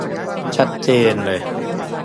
ชัดเจนเลย